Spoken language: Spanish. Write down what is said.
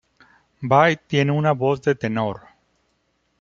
Bay tiene una voz de tenor.